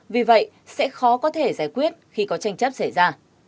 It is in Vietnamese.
vì vậy sẽ khó có thể giải quyết khi có tranh chấp xảy ra